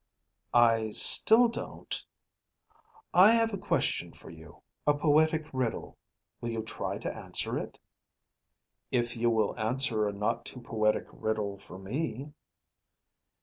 "I still don't ..." "I have a question for you, a poetic riddle. Will you try to answer it?" "If you will answer a not too poetic riddle for me."